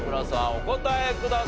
お答えください。